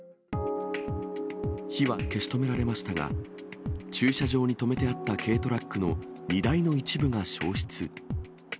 火は消し止められましたが、駐車場に止めてあった軽トラックの荷台の一部が焼失。